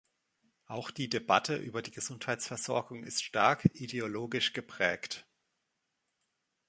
Auch die Debatte über die Gesundheitsversorgung ist stark ideologisch geprägt.